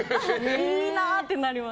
いいな！ってなります。